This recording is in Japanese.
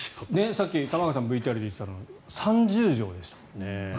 さっき玉川さんのＶＴＲで言ってたの３０畳でしたもんね。